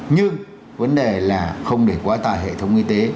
nhưng vấn đề là không để quá tải hệ thống y tế